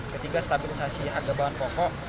ketiga stabilisasi harga bahan pokok